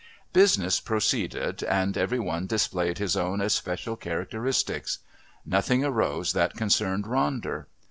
Business proceeded and every one displayed his own especial characteristics. Nothing arose that concerned Ronder.